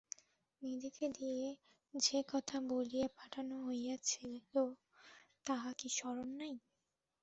নিধিকে দিয়া যে কথা বলিয়া পাঠানো হইয়াছিল তাহা কি স্মরণ নাই!